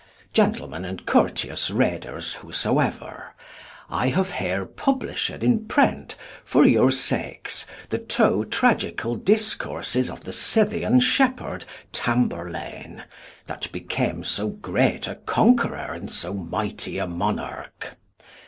Gentlemen and courteous readers whosoever: I have here published in print, for your sakes, the two tragical discourses of the Scythian shepherd Tamburlaine, that became so great a conqueror and so mighty a monarch.